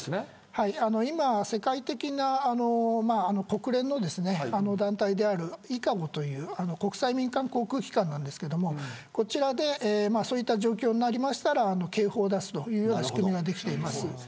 はい、今、世界的な国連の団体であるＩＣＡＯという国際民間航空機関なんですがこちらでそういった状況になれば警報を出す仕組みができています。